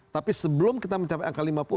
tapi sebelum kita mencapai angka lima puluh